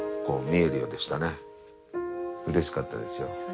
うれしかったですよ。